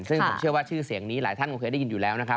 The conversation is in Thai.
ซึ่งผมเชื่อว่าชื่อเสียงนี้หลายท่านคงเคยได้ยินอยู่แล้วนะครับ